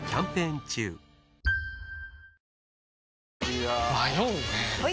いや迷うねはい！